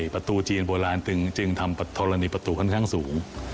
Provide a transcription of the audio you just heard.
ประตูจีนโบราณจึงทำธรณีประตูค่อนข้างสูง